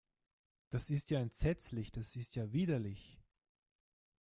Das ist ja entsetzlich, das ist ja widerlich.